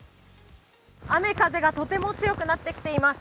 雨風がとても強くなってきています。